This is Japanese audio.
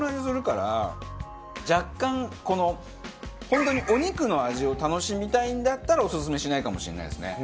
若干この本当にお肉の味を楽しみたいんだったらオススメしないかもしれないですね。